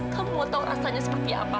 kamu mau tahu rasanya seperti apa